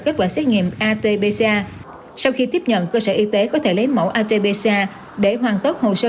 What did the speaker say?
kết quả xét nghiệm at pca sau khi tiếp nhận cơ sở y tế có thể lấy mẫu at pca để hoàn tất hồ sơ